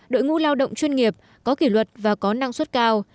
đội ngũ lao động chuyên nghiệp có kỷ luật và có năng suất cao